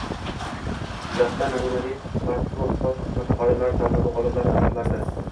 Jizzaxda “Namunali patrul-post xizmati xodimlari” tanlovi g‘oliblari aniqlandi